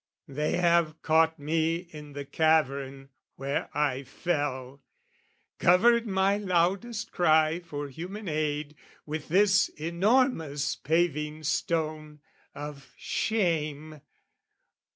"They have caught me in the cavern where I fell, "Covered my loudest cry for human aid "With this enormous paving stone of shame.